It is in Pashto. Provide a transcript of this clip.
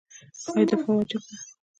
آیا دفاع واجب ده؟